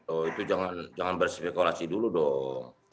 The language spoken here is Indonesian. oh itu jangan berspekulasi dulu dong